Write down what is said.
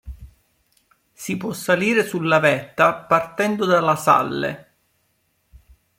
Si può salire sulla vetta partendo da La Salle.